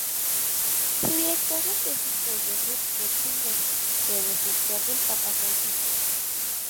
Su director de tesis fue Joseph Ratzinger, predecesor del Papa Francisco.